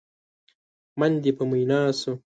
من دې په مينا شو؟!